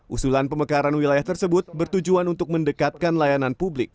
usulan pemekaran wilayah tersebut bertujuan untuk mendekatkan layanan publik